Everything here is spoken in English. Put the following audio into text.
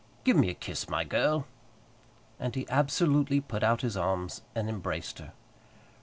Give me a kiss, my girl." And he absolutely put out his arms and embraced her.